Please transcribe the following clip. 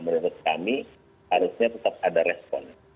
menurut kami harusnya tetap ada respon